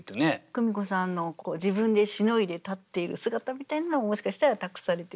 公美子さんの自分で凌いで立っている姿みたいなのももしかしたら託されているかもしれない。